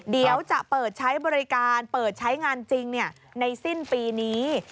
เดี๋ยวจะเปิดใช้บริการเปิดใช้งานจริงในสิ้นปีนี้